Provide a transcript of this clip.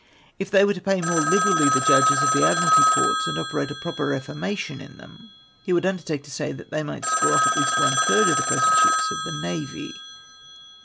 If they were to pay more liberally the Judges of the Admiralty Courts, and operate a proper reformation in them, he would undertake to say that they might score off at least one third of the present ships of the navy.